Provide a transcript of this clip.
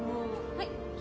はい。